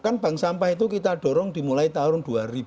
kan bank sampah itu kita dorong dimulai tahun dua ribu